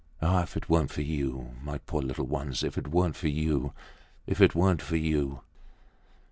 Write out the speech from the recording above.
"Ah! if it weren't for you! My poor little ones! If it weren't for you! If it weren't for you!"